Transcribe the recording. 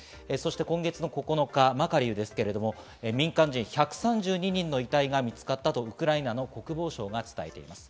今月９日、マカリウですが、民間人１３２人の遺体が見つかったとウクライナの国防省が伝えています。